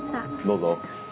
どうぞ。